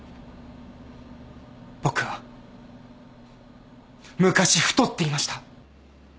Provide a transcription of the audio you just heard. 僕は昔太っていました。